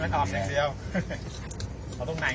ไม่มีคำถาม